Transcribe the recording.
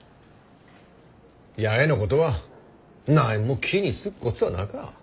弥江のことは何も気にすっこつはなか。